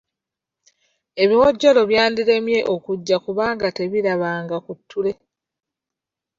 Ebiwojjolo byandirema okujja kubanga tebirabanga ku ttule.